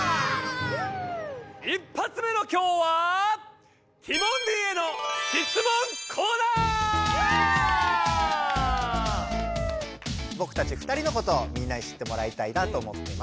１ぱつ目の今日はぼくたち２人のことをみんなに知ってもらいたいなと思っています。